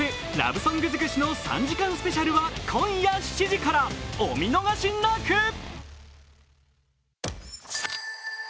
ラブソング尽くしの３時間スペシャルは今夜７時からお見逃しなく。